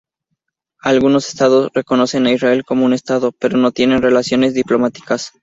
Algunos estados reconocen a Israel como un estado, pero no tienen relaciones diplomáticas.